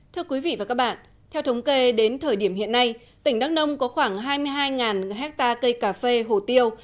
thưa quý vị và các bạn theo thống kê đến thời điểm hiện nay tỉnh đắk nông có khoảng hai mươi hai hectare cây cà phê hồ tiêu